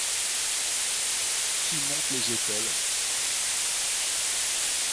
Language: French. Qui monte les écoles ?